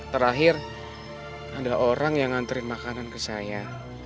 terakhir ada orang yang nganterin makanan ke saya